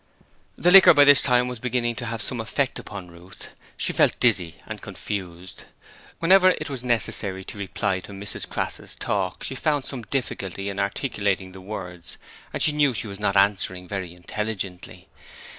The liquor was by this time beginning to have some effect upon Ruth: she felt dizzy and confused. Whenever it was necessary to reply to Mrs Crass's talk she found some difficulty in articulating the words and she knew she was not answering very intelligently.